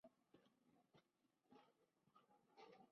Mientras trabajaba para Hooters posó para un calendario.